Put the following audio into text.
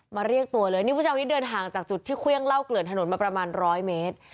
เรียกตัวเลยนี่ผู้ชายคนนี้เดินห่างจากจุดที่เครื่องเหล้าเกลื่อนถนนมาประมาณร้อยเมตร